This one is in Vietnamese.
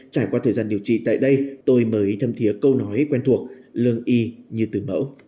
trải qua thời gian điều trị tại đây tôi mới thâm thiế câu nói quen thuộc lương y như từ mẫu